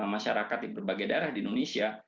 masyarakat di berbagai daerah di indonesia